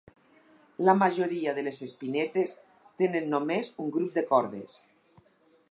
La majoria de les espinetes tenen només un grup de cordes.